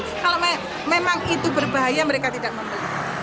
kalau memang itu berbahaya mereka tidak membeli